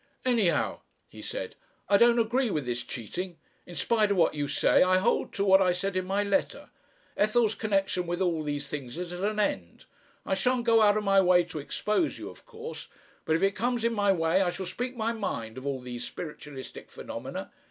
"Anyhow," he said, "I don't agree with this cheating. In spite of what you say, I hold to what I said in my letter. Ethel's connexion with all these things is at an end. I shan't go out of my way to expose you, of course, but if it comes in my way I shall speak my mind of all these spiritualistic phenomena.